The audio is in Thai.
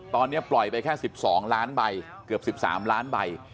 ตอนนี้ปล่อยไปแค่๑๒ล้านใบเกือบ๑๓ล้านใบ